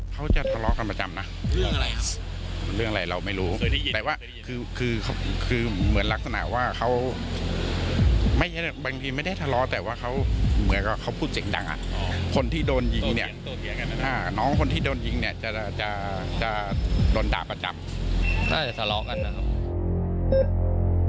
เขาจะทะเลาะกันประจำนะเรื่องอะไรครับเรื่องอะไรเราไม่รู้เคยได้ยินแต่ว่าคือคือเหมือนลักษณะว่าเขาไม่ใช่บางทีไม่ได้ทะเลาะแต่ว่าเขาเหมือนกับเขาพูดเสียงดังอ่ะคนที่โดนยิงเนี่ยน้องคนที่โดนยิงเนี่ยจะจะโดนด่าประจำน่าจะทะเลาะกันนะครับ